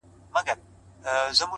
• د مدرسو او مکتبونو کیسې,